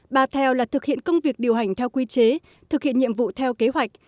ba theo là thực hiện công việc điều hành theo quy chế thực hiện nhiệm vụ theo kế hoạch